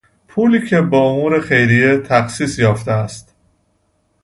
پولی که به امور خیریه تخصیص یافته است